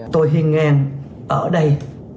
tôi hiên ngang ở đây